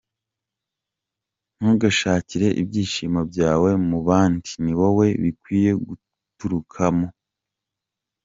Ntugashakire ibyishimo byawe mu bandi, ni wowe bikwiye guturukamo.